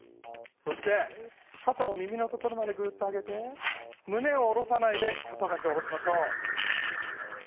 そしてかたを耳のところまでグッと上げてむねを下ろさないでかただけ下ろしましょう。